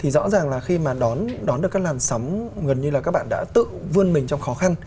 có được các làn sóng gần như là các bạn đã tự vươn mình trong khó khăn